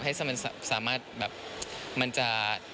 ให้มันสามารถแบบมันจะ